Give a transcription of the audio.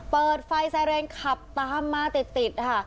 เปิดไฟไซเรนขับตามมาติดค่ะ